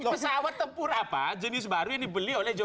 pesawat tempur apa jenis baru yang dibeli oleh jokowi